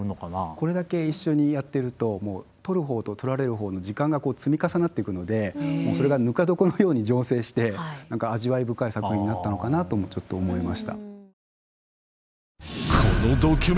これだけ一緒にやってると撮る方と撮られる方の時間が積み重なっていくのでそれがぬか床のように醸成して何か味わい深い作品になったのかなともちょっと思いました。